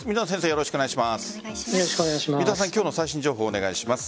よろしくお願いします。